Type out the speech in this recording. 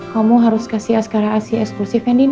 kamu harus kasih askara asi eksklusif ya din ya